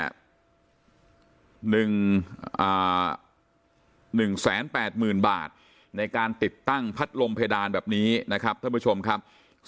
หนึ่งแสนแปดหมื่นบาทในการติดตั้งพัดลมเพดานแบบนี้นะครับท่านผู้ชมครับ